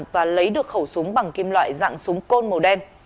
và lấy được khẩu súng bằng kim loại dạng súng côn màu đen